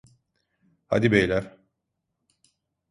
Hadi beyler!